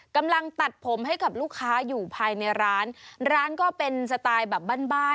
กำลังตัดผมให้กับลูกค้าอยู่ภายในร้านร้านก็เป็นสไตล์แบบบ้านบ้าน